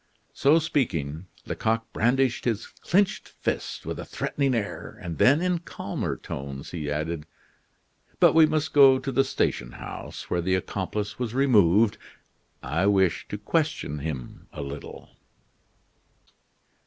So speaking, Lecoq brandished his clinched fist with a threatening air and then, in calmer tones, he added: "But we must go to the station house where the accomplice was removed. I wish to question him a little."